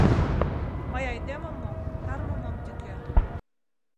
— Мый айдемым мо, кармым ом тӱкӧ.